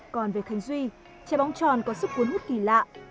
còn về khánh duy trái bóng tròn có sức cuốn hút kỳ lạ